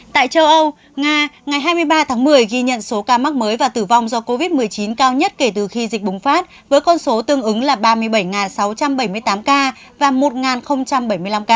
tại châu âu nga ngày hai mươi ba tháng một mươi ghi nhận số ca mắc mới và tử vong do covid một mươi chín cao nhất kể từ khi dịch bùng phát với con số tương ứng là ba mươi bảy sáu trăm bảy mươi tám ca và một bảy mươi năm ca